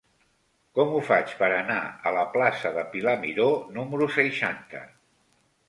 Com ho faig per anar a la plaça de Pilar Miró número seixanta?